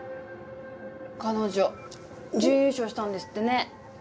彼女準優勝したんですってね。